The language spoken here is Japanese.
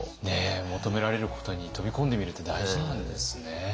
求められることに飛び込んでみるって大事なんですね。